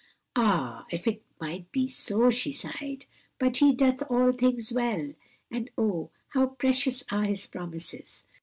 "Ah, if it might be so!" she sighed. "'But He doeth all things well,' and oh how precious are His promises!